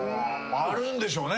あるんでしょうね。